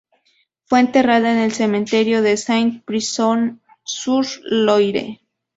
Fue enterrada en el Cementerio de Saint-Brisson-sur-Loire.